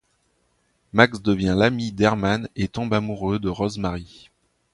Max devient l'ami d'Hermann et tombe amoureux de Rosemary.